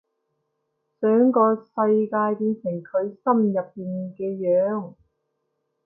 想個世界變成佢心入邊嘅樣